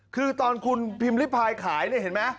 คือตอนคุณพิมพ์ริพายขายเนี่ยเห็นไหม